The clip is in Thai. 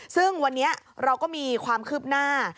ซึ่งวันนี้เราก็มีความคืบหน้า